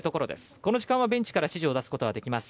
この時間はベンチから指示を出すことができます。